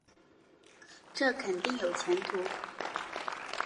这肯定有前途